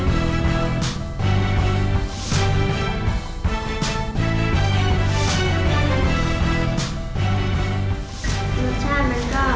วันนี้เป็นวันนี้